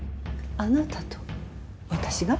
あなたと私が？